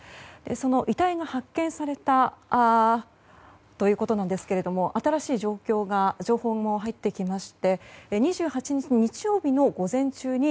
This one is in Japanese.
遺体が発見されたということなんですが新しい情報も入ってきまして２８日、日曜日の午前中に